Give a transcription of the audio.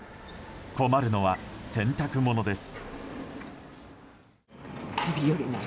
困るのは、洗濯物です。